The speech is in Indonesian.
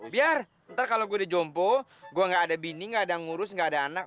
biar ntar kalau gue di jompo gue gak ada bini gak ada ngurus gak ada anak